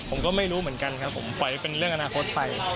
ผมก็ไม่รู้เหมือนกันครับผมปล่อยเป็นเรื่องอนาคตไป